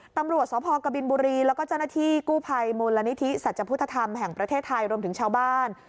ตำรวจสพกบินบุรีแล้วก็เจ้าหน้าที่กู้ภัยมูลนิธิสัจพุทธธรรมแห่งประเทศไทยรวมถึงชาวบ้าน